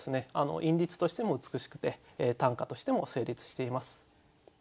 韻律としても美しくて短歌としても成立しています。